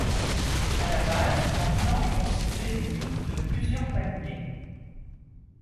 À la base, un plant est constitué d'une touffe de plusieurs palmiers.